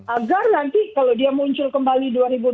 agar nanti kalau dia muncul kembali dua ribu dua puluh